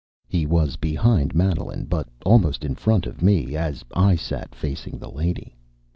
He was behind Madeline, but almost in front of me, as I sat facing the lady.